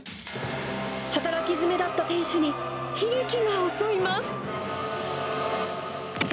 働き詰めだった店主に、悲劇が襲います。